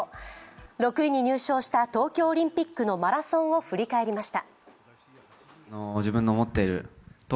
６位に入賞した東京オリンピックのマラソンを振り返りました。